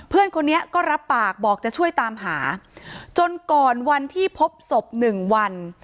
เพื่อนคนนี้ก็รับปากบอกจะช่วยตามหาจนก่อนวันที่พบศพหนึ่งวัน